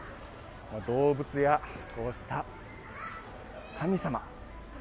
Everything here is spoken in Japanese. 動物や、こうした神様。